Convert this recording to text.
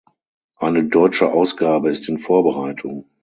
Eine deutsche Ausgabe ist in Vorbereitung.